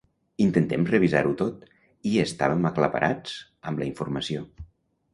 Intentem revisar-ho tot i estàvem aclaparats amb la informació.